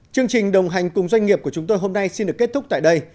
chương trình đồng hành cùng doanh nghiệp của chúng tôi hôm nay xin được kết thúc tại đây